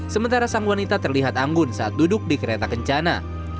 sementara sang wanita terlihat anggun saat duduk di kereta kencana